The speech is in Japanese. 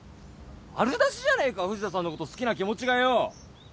丸出しじゃねえか藤田さんのこと好きな気持ちがよ。